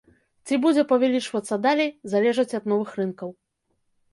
Ці будзе павялічвацца далей, залежыць ад новых рынкаў.